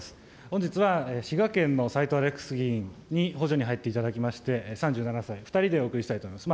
本日は滋賀県の斎藤アレックス議員に補助に入っていただきまして、３７歳、２人でお送りしたいと思います。